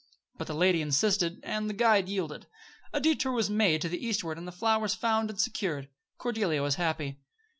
But the lady insisted; and the guide yielded. A detour was made to the eastward and the flowers found and secured. Cordelia was happy.